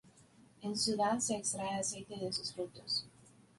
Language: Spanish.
En Sudán se extrae aceite de sus frutos.